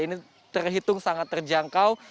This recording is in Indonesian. ini terhitung sangat terjangkau